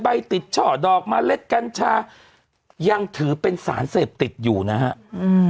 ติดช่อดอกเมล็ดกัญชายังถือเป็นสารเสพติดอยู่นะฮะอืม